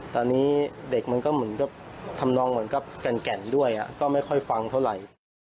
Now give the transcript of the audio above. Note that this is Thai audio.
ตอนนี้เด็กมันก็เหมือนกับทำนองเหมือนกับแก่นด้วยก็ไม่ค่อยฟังเท่าไหร่